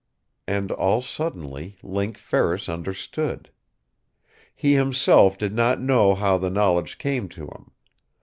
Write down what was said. And, all suddenly, Link Ferris understood. He himself did not know how the knowledge came to him.